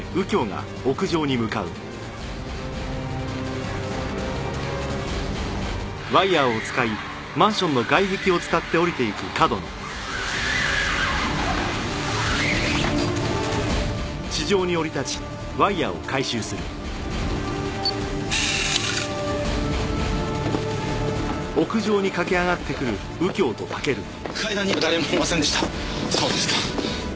そうですか。